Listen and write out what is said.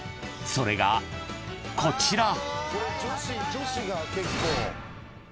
［それがこちら］